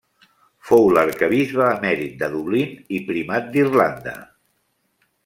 Fou l'arquebisbe emèrit de Dublín i Primat d'Irlanda.